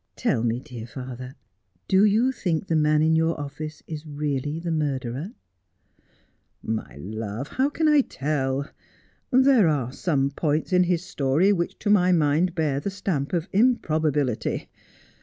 'Tell me, dear father, do you think the man in your office is really the murderer 1 '' My love, how can I tell 1 There are some points in his story which to my mind bear the stamp of improbability.